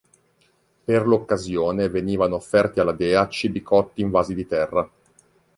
Per l'occasione venivano offerti alla dea cibi cotti in vasi di terra.